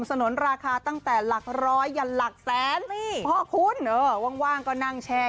สนุนราคาตั้งแต่หลักร้อยยันหลักแสนนี่พ่อคุณเออว่างก็นั่งแช่